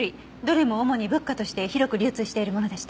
どれも主に仏花として広く流通しているものでした。